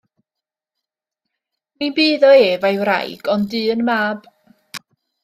Ni bu iddo ef a'i wraig ond un mab.